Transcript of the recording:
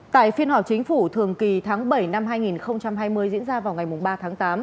tại phiên họp chính phủ thường kỳ tháng bảy năm hai nghìn hai mươi diễn ra vào ngày ba tháng tám